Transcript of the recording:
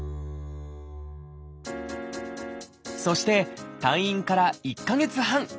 そして退院から１か月半